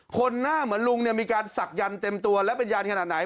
หน้าเหมือนลุงเนี่ยมีการศักยันต์เต็มตัวและเป็นยันขนาดไหน